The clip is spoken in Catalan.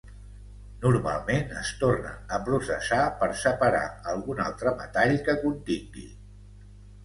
Normalment es torna a processar per separar algun altre metall que contingui.